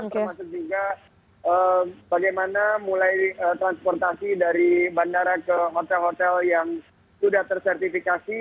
termasuk juga bagaimana mulai transportasi dari bandara ke hotel hotel yang sudah tersertifikasi